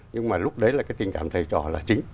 nhưng mà lúc đấy là cái tình cảm thầy trò là chính